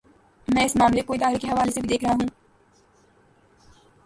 میں اس معاملے کو ادارے کے حوالے سے بھی دیکھ رہا ہوں۔